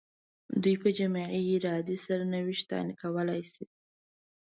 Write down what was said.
دوی په جمعي ارادې سرنوشت تعیین کولای شي.